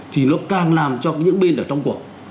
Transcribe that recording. thì nó càng làm cho những bên ở trong cuộc